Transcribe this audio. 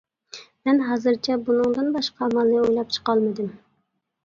مەن ھازىرچە بۇنىڭدىن باشقا ئامالنى ئويلاپ چىقالمىدىم.